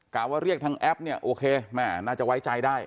ว่าเรียกทางแอปเนี่ยโอเคแม่น่าจะไว้ใจได้